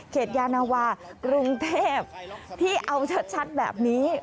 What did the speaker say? ยานาวากรุงเทพที่เอาชัดแบบนี้